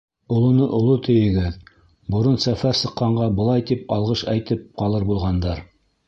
Олоно оло тейегеҙ, Борон сәфәр сыҡҡанға былай тип алғыш әйтеп ҡалыр булғандар: